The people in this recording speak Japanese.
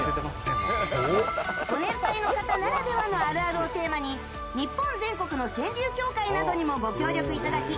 ご年配の方ならではのあるあるをテーマに日本全国の川柳協会などにもご協力いただき